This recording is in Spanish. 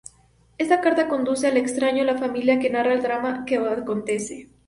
Esta carta conduce al extraño a la familia que narra el drama que acontece.